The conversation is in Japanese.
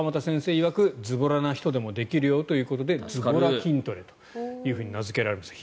いわくずぼらな人でもできるよということでずぼら筋トレと名付けられました